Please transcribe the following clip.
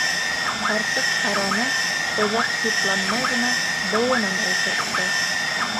Ҡарсыҡ ҡараны, оҙаҡ хитланмай ғына быуынын ултыртты.